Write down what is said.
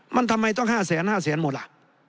มันทำไมต้องห้าแสนห้าแสนหมดล่ะ